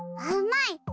あまい！